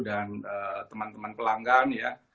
dan teman teman pelanggan ya